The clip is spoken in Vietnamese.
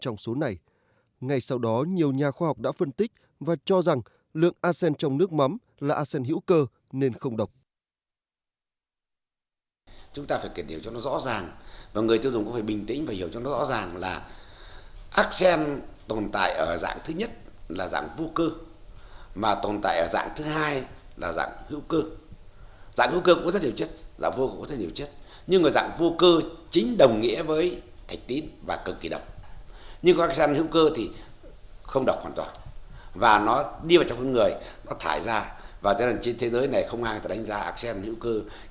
ngay sau đó nhiều nhà khoa học đã phân tích và cho rằng lượng asean trong nước mắm là asean hữu cơ nên không độc